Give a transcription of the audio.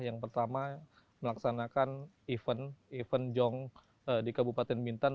yang pertama melaksanakan event event jong di kabupaten bintan